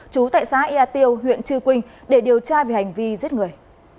trú tại xã ea tiêu huyện trư quynh để điều tra về hành vi giết người